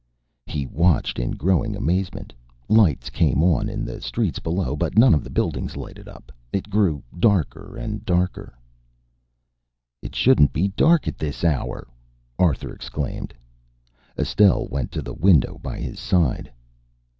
He watched in growing amazement. Lights came on in the streets below, but none of the buildings lighted up. It grew darker and darker. "It shouldn't be dark at this hour!" Arthur exclaimed. Estelle went to the window by his side.